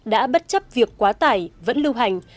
đã bất chấp việc quá tải vẫn lưu hành